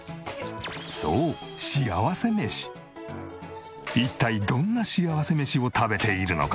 そう一体どんなしあわせ飯を食べているのか？